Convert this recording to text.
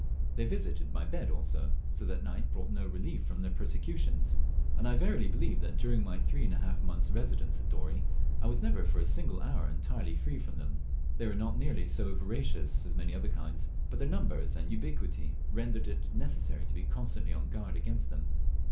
They visited my bed also, so that night brought no relief from their persecutions; and I verily believe that during my three and a half months' residence at Dorey I was never for a single hour entirely free from them. They were not nearly so voracious as many other kinds, but their numbers and ubiquity rendered it necessary to be constantly on guard against them.